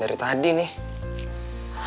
dari tadi nih